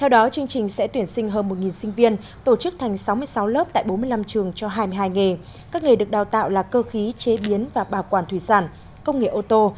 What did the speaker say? đăng ký kênh để nhận thông tin nhất